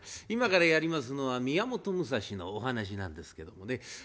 今からやりますのは宮本武蔵のお話なんですけどもね。